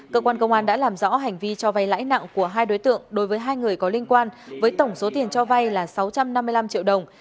cơ quan công an đã làm rõ hành vi cho vay lãi nặng của hai đối tượng đối với hai người có liên quan với tổng số tiền cho vay là sáu trăm năm mươi năm triệu đồng